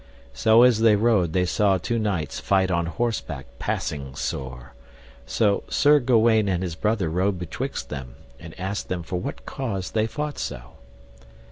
So as they rode they saw two knights fight on horseback passing sore, so Sir Gawaine and his brother rode betwixt them, and asked them for what cause they fought so.